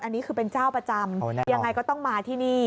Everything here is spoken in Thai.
อันนี้คือเป็นเจ้าประจำยังไงก็ต้องมาที่นี่